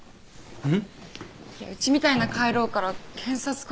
うん。